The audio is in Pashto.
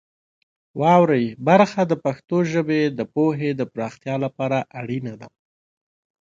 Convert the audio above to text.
واورئ برخه د پښتو ژبې د پوهې د پراختیا لپاره اړینه ده.